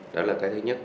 đó là cái thứ nhất